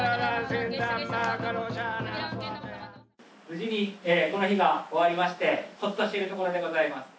無事にこの日が終わりましてほっとしているところでございます。